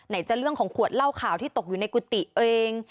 จะเรื่องของขวดเหล้าขาวที่ตกอยู่ในกุฏิเอง